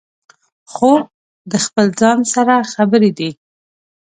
خوب د خپل ځان سره خبرې دي